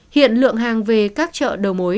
hiện lượng hàng về các chợ đầu mối